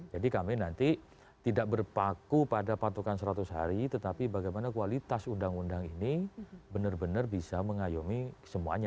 jadi kami nanti tidak berpaku pada patokan seratus hari tetapi bagaimana kualitas undang undang ini benar benar bisa mengayomi semuanya